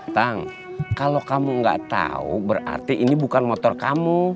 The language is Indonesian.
tang kalau kamu nggak tahu berarti ini bukan motor kamu